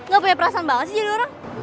gak punya perasaan banget sih jadi orang